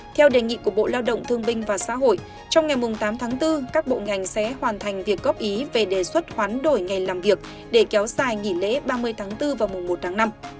theo đề nghị của bộ lao động thương binh và xã hội trong ngày mùng tám tháng bốn các bộ ngành sẽ hoàn thành việc góp ý về đề xuất hoán đổi nghề làm việc để kéo dài nghỉ lễ ba mươi tháng bốn vào mùng một tháng năm